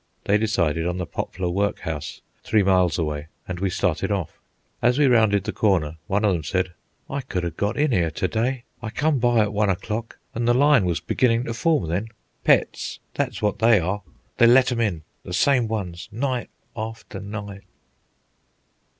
They decided on the Poplar Workhouse, three miles away, and we started off. As we rounded the corner, one of them said, "I could a' got in 'ere to day. I come by at one o'clock, an' the line was beginnin' to form then—pets, that's what they are. They let 'm in, the same ones, night upon night."